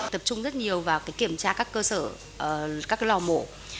tập trung rất nhiều vào kiểm tra các cơ sở các lò mổ